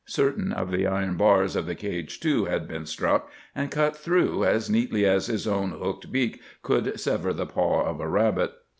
Certain of the iron bars of the cage, too, had been struck and cut through, as neatly as his own hooked beak would sever the paw of a rabbit.